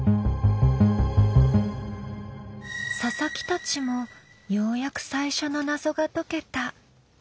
佐々木たちもようやく最初の謎が解けた。